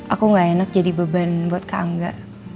aku gak enak jadi beban buat kak angga